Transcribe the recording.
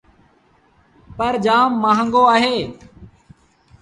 پر جآم مآݩگو اهي۔